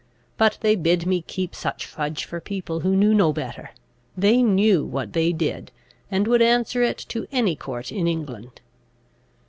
But they bid me keep such fudge for people who knew no better; they knew what they did, and would answer it to any court in England.